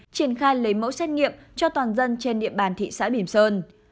triển khai lấy mẫu xét nghiệm cho toàn dân trên địa bàn thị xã bìm sơn